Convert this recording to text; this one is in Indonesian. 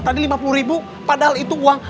tadi lima puluh ribu padahal itu uang